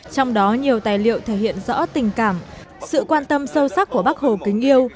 trong đó nhiều tài liệu thể hiện rõ tình cảm sự quan tâm sâu sắc của bác hồ kính yêu